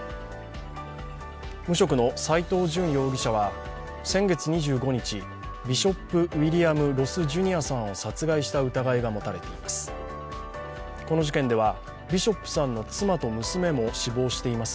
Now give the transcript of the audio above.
無職の斉藤淳容疑者は先月２５日ビショップ・ウィリアム・ロス・ジュニアさんを殺害した疑いが持たれています。